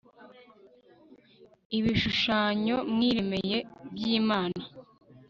ibishushanyo mwiremeye by imana